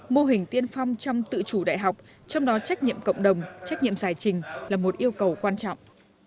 mô hình tiên phong trong tự chủ đại học trong đó trách nhiệm cộng đồng trách nhiệm giải trình là một yêu cầu quan trọng